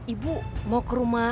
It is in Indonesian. ibu mau ke rumah